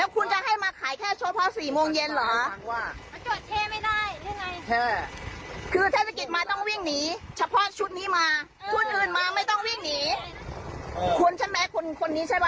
คุณใช่ไหมคนนี้ใช่ไหม